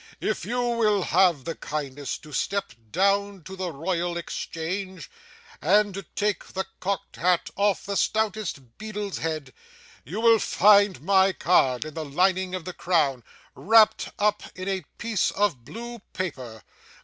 If you will have the kindness to step down to the Royal Exchange and to take the cocked hat off the stoutest beadle's head, you will find my card in the lining of the crown, wrapped up in a piece of blue paper.